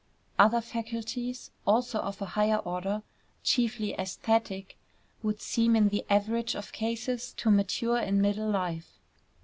Other faculties also of a high order, chiefly æsthetic, would seem in the average of cases to mature in middle life.